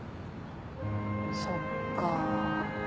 そっか。